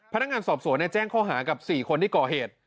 พนักงานสอบสวนแจ้งข้อหากับ๔คนที่ก่อเหตุ